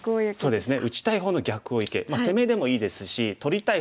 そうですね。